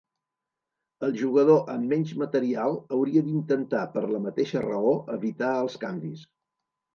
El jugador amb menys material hauria d'intentar, per la mateixa raó, evitar els canvis.